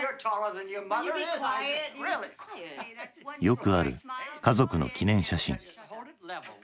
よくある家族の記念写真。